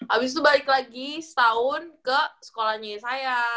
abis itu balik lagi setahun ke sekolahnya saya